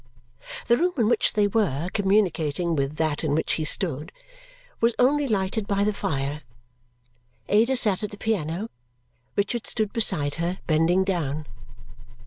The room in which they were, communicating with that in which he stood, was only lighted by the fire. Ada sat at the piano; Richard stood beside her, bending down.